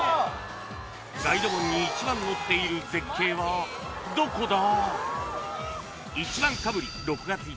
［ガイド本に一番載っている絶景はどこだ？］